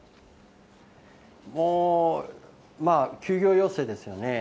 もうまあ、休業要請ですよね。